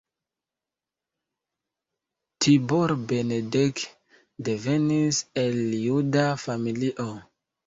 Tibor Benedek devenis el juda familio.